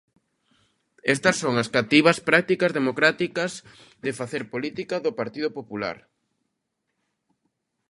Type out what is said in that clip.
Estas son as cativas prácticas democráticas de facer política do Partido Popular.